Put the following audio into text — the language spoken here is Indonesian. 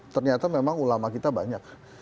ternyata memang ulama kita banyak